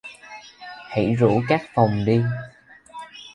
Hãy rủ các phóng đi